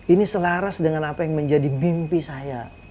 ini selaras dengan apa yang menjadi mimpi saya